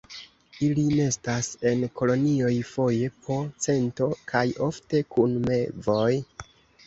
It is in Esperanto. Ili nestas en kolonioj foje po cento, kaj ofte kun mevoj.